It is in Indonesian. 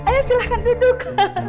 ayo silahkan duduk